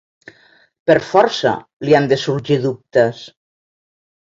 Per força li han de sorgir dubtes.